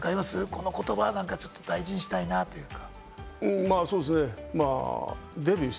この言葉、大事にしたいなというか。